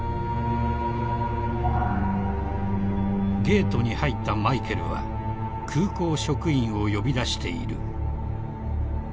［ゲートに入ったマイケルは空港職員を呼び出している］